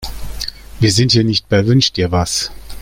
Wir sind hier nicht bei Wünsch-dir-was.